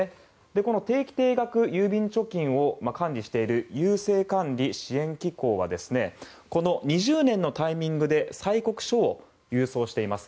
この定期・定額郵便貯金を管理している郵政管理・支援機構はこの２０年のタイミングで催告書を郵送しています。